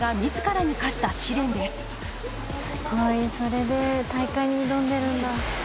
すごいそれで大会に挑んでるんだ。